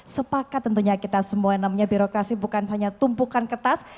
sepakat tentunya kita semua yang namanya birokrasi bukan hanya tumpukan kertas